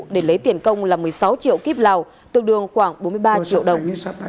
để lấy tiền công là một mươi sáu triệu kíp lào tương đương khoảng bốn mươi ba triệu đồng